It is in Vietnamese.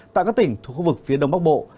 tại các tỉnh thuộc khu vực phía đông bắc bộ